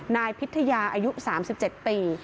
นายพิทยาอายุ๓๗ปี